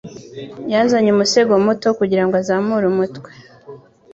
Yazanye umusego muto kugirango azamure umutwe.